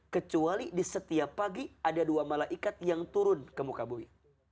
kecuali di setiap pagi ada dua malaikat yang turun ke muka bumi